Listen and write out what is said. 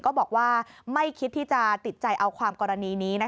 ก็บอกว่าไม่คิดที่จะติดใจเอาความกรณีนี้